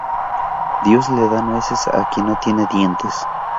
Dios le da nueces a quien no tiene dientes